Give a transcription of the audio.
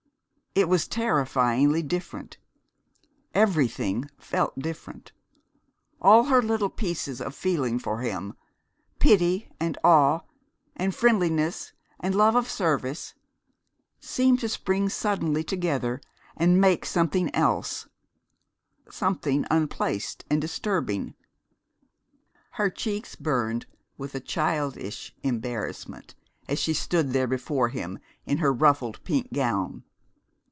It was terrifyingly different. Everything felt different. All her little pieces of feeling for him, pity and awe and friendliness and love of service, seemed to spring suddenly together and make something else something unplaced and disturbing. Her cheeks burned with a childish embarrassment as she stood there before him in her ruffled pink gown.